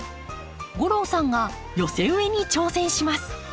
吾郎さんが寄せ植えに挑戦します。